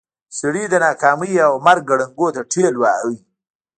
سړی د ناکاميو او مرګ ګړنګونو ته ټېل وهي.